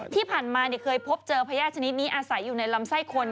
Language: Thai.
ที่ผ่านมาเคยพบเจอพญาติชนิดนี้อาศัยอยู่ในลำไส้คน